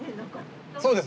そうです。